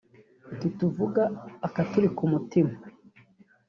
ntituvuga akaturi ku mutima